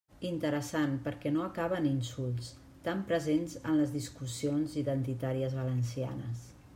Interessant perquè no acabava en insults, tan presents en les discussions identitàries valencianes.